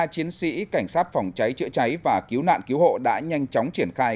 một mươi hai chiến sĩ cảnh sát phòng cháy chữa cháy và cứu nạn cứu hộ đã nhanh chóng triển khai